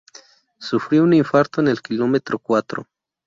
Sufrió un infarto en el kilómetro cuatro.